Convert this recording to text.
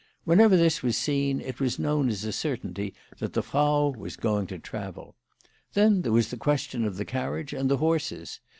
Whenever this was seen it was known as a certainty that the Frau was going to travel. Then there was the question of the carriage and the horses.